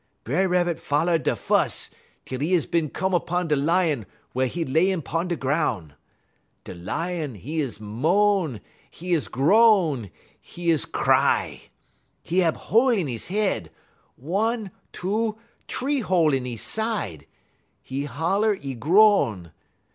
B'er Rabbit foller da fuss tel 'e is bin come 'pon da Lion wey 'e layin' 'pon da groun'. Da Lion, 'e is moan; 'e is groan; 'e is cry. 'E hab hole in 'e head, one, two, t'ree hole in 'e side; 'e holler, 'e groan.